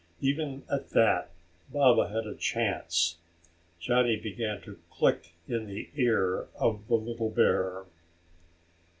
Even at that, Baba had a chance. Johnny began to click in the ear of the little bear.